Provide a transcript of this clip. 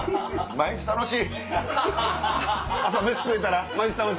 毎日楽しい！